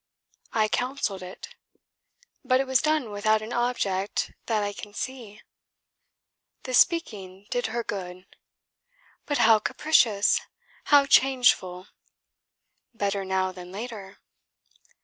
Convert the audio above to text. "I counselled it." "But it was done without an object that I can see." "The speaking did her good." "But how capricious! how changeful!" "Better now than later."